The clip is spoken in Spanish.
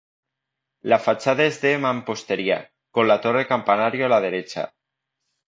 La fachada es de mampostería, con la torre-campanario a la derecha.